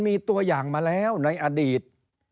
มีตัวอย่างมาแล้วในอดีต